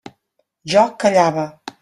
Jo callava.